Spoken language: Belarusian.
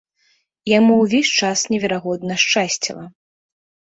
Яму ўвесь час неверагодна шчасціла.